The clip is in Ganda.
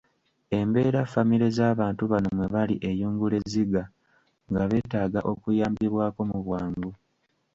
Embeera famire z’abantu bano mwe bali eyungula ezziga nga beetaaga okuyambibwako mu bwangu.